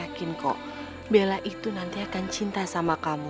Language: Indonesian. yakin kok bella itu nanti akan cinta sama kamu